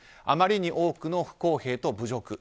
あまりに多くの不公平と侮辱。